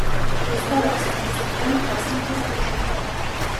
რუსთაველის გამზირიდან მთაწმინდის ქუჩამდე.